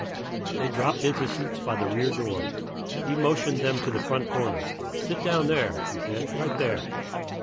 They dropped into seats by the rear door. He motioned them to the front corner. "Sit down there," he said, "right there."